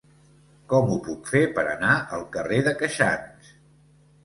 Com ho puc fer per anar al carrer de Queixans?